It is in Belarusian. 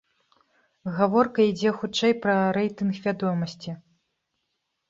Гаворка ідзе хутчэй пра рэйтынг вядомасці.